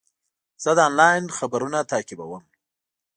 زه د انلاین خپرونه تعقیبوم.